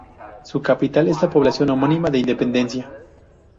Su capital es la población homónima de Independencia.